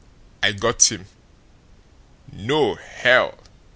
I got him! No HELL!"